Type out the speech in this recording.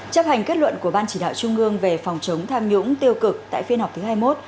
chấp hành kết luận của ban chỉ đạo trung ương về phòng chống tham nhũng tiêu cực tại phiên họp thứ hai mươi một